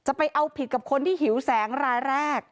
ไปเอาผิดกับคนที่หิวแสงรายแรก